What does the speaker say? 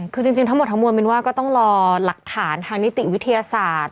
คือจริงทั้งหมดทั้งมวลมินว่าก็ต้องรอหลักฐานทางนิติวิทยาศาสตร์